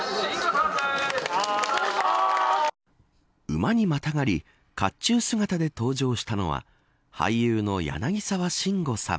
馬にまたがり甲冑姿で登場したのは俳優の柳沢慎吾さん。